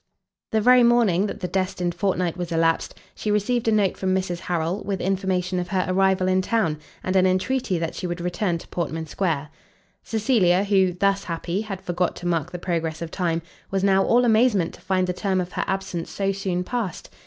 The very morning that the destined fortnight was elapsed, she received a note from Mrs Harrel, with information of her arrival in town, and an entreaty that she would return to Portman square. Cecilia, who, thus happy, had forgot to mark the progress of time, was now all amazement to find the term of her absence so soon past.